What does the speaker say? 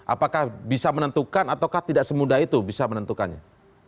apakah bisa menentukan atau tidak semudah itu bisa menentukannya